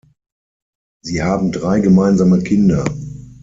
Sie haben drei gemeinsame Kinder.